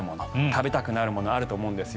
食べたくなるものあると思うんです。